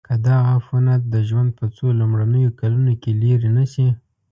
که دا عفونت د ژوند په څو لومړنیو کلونو کې لیرې نشي.